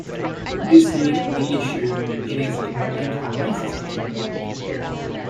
This year, the issue it is an anti-racist agenda.